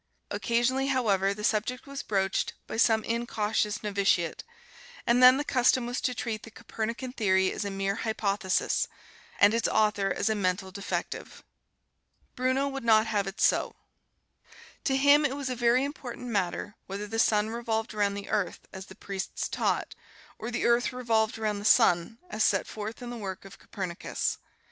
Occasionally, however, the subject was broached by some incautious novitiate, and then the custom was to treat the Copernican Theory as a mere hypothesis, and its author as a mental defective. Bruno would not have it so. To him it was a very important matter whether the sun revolved around the earth as the priests taught, or the earth revolved around the sun as set forth in the work of Copernicus.